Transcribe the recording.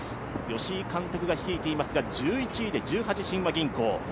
吉井監督が率いていますが１１位で十八親和銀行。